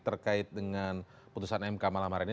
terkait dengan putusan mk malam hari ini